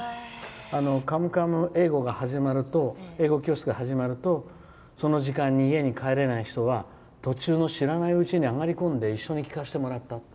カムカム英語教室が始まるとその時間に家に帰れない人は途中の知らないうちにあがり込んで一緒に聞かせてもらった。